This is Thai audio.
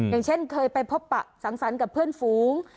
อย่างเช่นเคยไปพบปะสังสรรค์กับเพื่อนฝูง